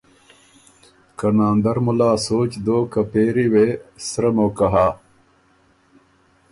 که ناندر مُلا سوچ دوک که پېری وې سرۀ موقع هۀ